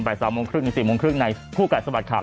ใน๓๓๐เป็น๔๓๐ภูกาสถาบัดขาด